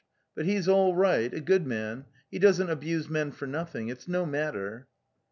But he is all right, a good man. ... He doesn't abuse men for noth ine) Lt senonmatten: no...